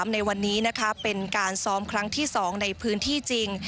ในวันนี้เป็นการซ้อมครั้งที่๒ในพื้นที่จริง